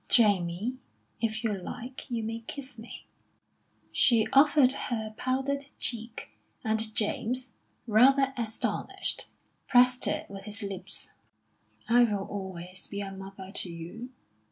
"Jamie, if you like you may kiss me." She offered her powdered cheek, and James, rather astonished, pressed it with his lips. "I will always be a mother to you.